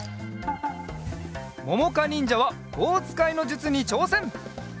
ももかにんじゃはぼうつかいのじゅつにちょうせん！